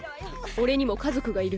俺にも家族がいる。